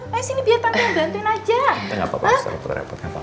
ya sini biar tante ngajak